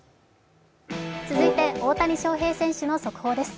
続いて、大谷翔平選手の速報です。